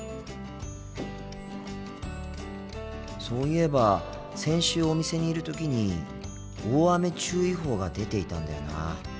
そういえば先週お店にいる時に大雨注意報が出ていたんだよな。